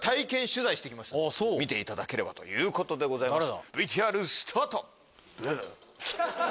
見ていただければということでございます。